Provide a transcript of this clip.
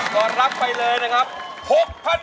ก่อนรักไปเลยนะครับ๖๐๐๐บาท